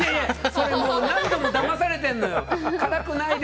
それに何度もだまされてんのよ。